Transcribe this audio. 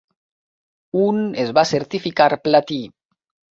Un es va certificar Platí.